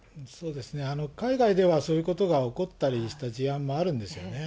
海外ではそういうことが起こったりした事案もあるんですよね。